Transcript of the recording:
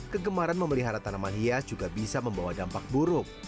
kegemaran memelihara tanaman hias juga bisa membawa dampak buruk